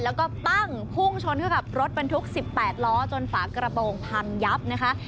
แล้วก็ปั้งพุ่งชนเข้ากับรถบรรทุก๑๘ล้อจนฝากระโปรงพังยับนะคะ